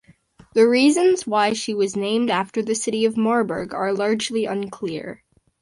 The reasons why she was named after the city of Marburg are largely unclear.